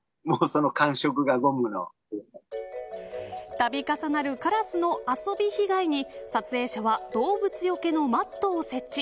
度重なるカラスの遊び被害に撮影者は、動物よけのマットを設置。